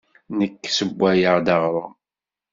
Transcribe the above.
Nekk ssewwayeɣ-d aɣrum.